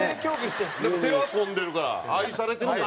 手は込んでるから愛されてる。